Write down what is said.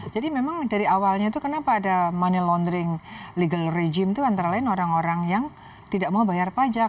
jadi memang dari awalnya itu kenapa ada money laundering legal regime itu antara lain orang orang yang tidak mau bayar pajak